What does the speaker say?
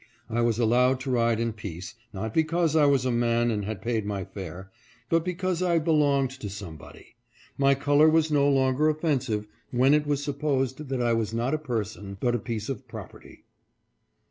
I was allowed to ride in peace, not because I was a man and had paid my fare, but because I belonged to somebody. My color was no longer offensive when it was supposed that I was not a person, but a piece of property.